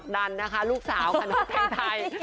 ดันนะคะลูกสาวขนมแทงไทย